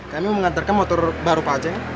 kami mau ngantarkan motor baru pak ceng